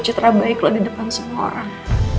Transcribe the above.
cetera baik lo di depan semua orang